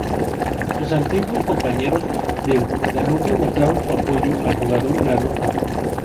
Sus antiguos compañeros del Danubio mostraron su apoyo al jugador granota.